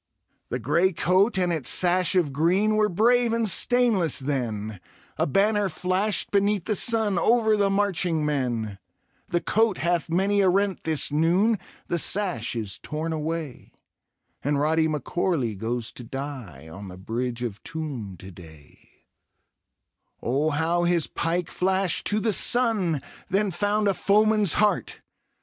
The grey coat and its sash of green Were brave and stainless then; A banner flashed beneath the sun Over the marching men — The coat hath many a rent this nooni The sash is torn away^ And Rody M'Corlw goes to die On the Bridge of Toome to day; Oh| how his pike flashed to the sun! Then found a foeman's heart!